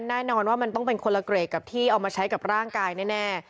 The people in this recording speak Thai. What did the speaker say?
แน่นอนว่ามันต้องเป็นคนละเกรดกับที่เอามาใช้กับร่างกายแน่